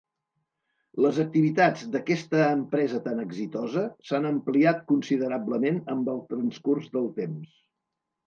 Les activitats d"aquesta empresa tan exitosa s"han ampliat considerablement amb el transcurs del temps.